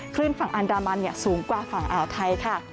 ฝั่งอันดามันสูงกว่าฝั่งอ่าวไทยค่ะ